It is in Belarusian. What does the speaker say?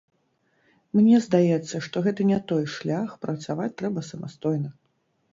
Мне здаецца, што гэта не той шлях, працаваць трэба самастойна.